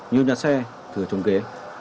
nhiều nhà xe thừa trồng ghế